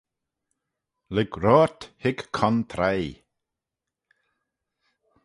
Lurg roayrt hig contraie